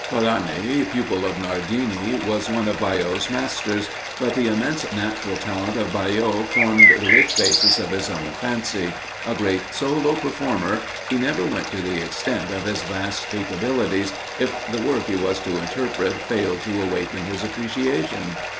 Pollani, pupil of Nardini, was one of Baillot's masters; but the immense natural talent of Baillot formed the rich basis of his own fancy; a great solo performer, he never went to the extent of his vast capabilities, if the work he was to interpret failed to awaken his appreciation.